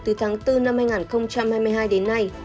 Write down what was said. từ tháng bốn năm hai nghìn hai mươi hai đến nay